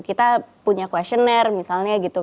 kita punya questionnare misalnya gitu